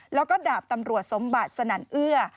แล้วก็ดาบตำรวจสมบัติสนั่นเอื้อ